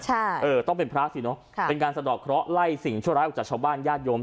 ใช่เออต้องเป็นพระสิเนอะค่ะเป็นการสะดอกเคราะห์ไล่สิ่งชั่วร้ายออกจากชาวบ้านญาติโยม